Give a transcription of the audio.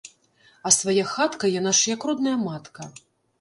А свая хатка яна ж як родная матка.